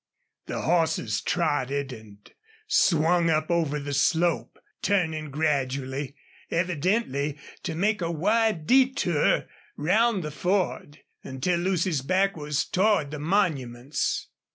The horses trotted and swung up over the slope, turning gradually, evidently to make a wide detour round the Ford, until Lucy's back was toward the monuments.